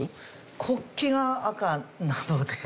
国旗が赤なので。